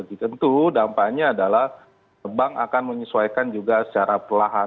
tentu dampaknya adalah bank akan menyesuaikan juga secara perlahan